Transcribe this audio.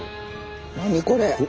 何これ！？